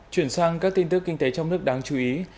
chuyển sang các tin tức kinh tế trong nước đáng chú ý